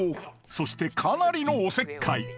そしてかなりのおせっかい